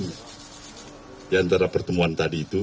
di antara pertemuan tadi itu